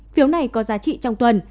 phiếu này có giá trị trong tuần